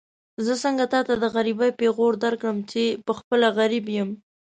زه څنګه تاته د غريبۍ پېغور درکړم چې پخپله غريب يم.